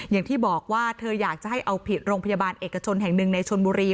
อย่างที่บอกว่าเธออยากจะให้เอาผิดโรงพยาบาลเอกชนแห่งหนึ่งในชนบุรี